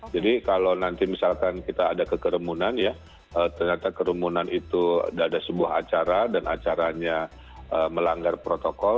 jadi kalau nanti misalkan kita ada kekeremunan ya ternyata keremunan itu ada sebuah acara dan acaranya melanggar protokol